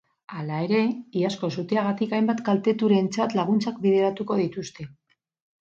Hala ere, iazko suteagatik hainbat kalteturentzat laguntzak bideratuko dituzte.